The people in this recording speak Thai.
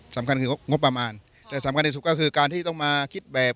สำคัญคืองบประมาณแต่สำคัญที่สุดก็คือการที่ต้องมาคิดแบบ